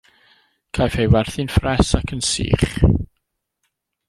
Caiff ei werthu'n ffres ac yn sych.